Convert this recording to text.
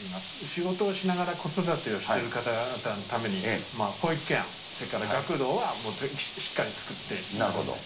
仕事をしながら子育てをしている方々のために、保育園、それから学童はしっかり作っています。